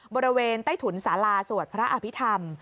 บริเวณใต้ถุนศาลาสวัสดิ์พระอภิธรรม